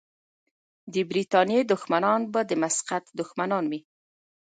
د برتانیې دښمنان به د مسقط دښمنان وي.